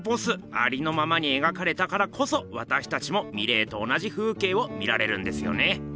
ありのままに描かれたからこそわたしたちもミレーと同じ風景を見られるんですよね。